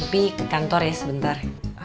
tapi ke kantor ya sebentar